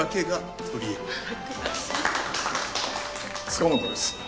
塚本です。